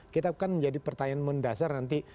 kita akan menjadi pertanyaan mendasar nanti